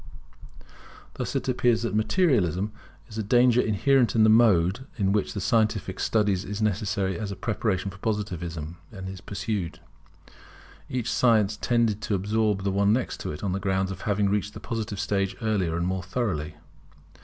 Thus it appears that Materialism is a danger inherent in the mode in which the scientific studies necessary as a preparation for Positivism were pursued. Each science tended to absorb the one next to it, on the ground of having reached the Positive stage earlier and more thoroughly.